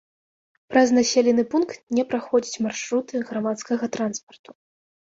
Праз населены пункт не праходзяць маршруты грамадскага транспарту.